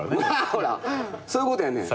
ほらそういうことやねん。